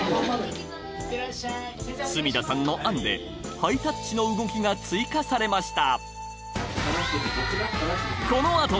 住田さんの案でハイタッチの動きが追加されました